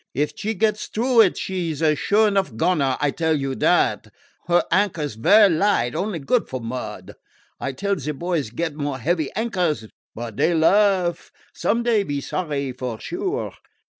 If she get t'rough it she 's a sure enough goner, I tell you dat. Her anchors vaire light, only good for mud. I tell ze boys get more heavy anchors, but dey laugh. Some day be sorry, for sure."